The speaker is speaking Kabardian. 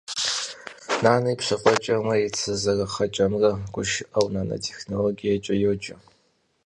Нанэ и пщафӏэкӏэмрэ и цы зэрыхъэкӏэмрэ гушыӏэу «нанэтехнологиекӏэ» йоджэ.